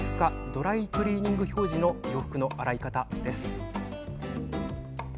ドライクリーニング表示のお洋服の洗い方です。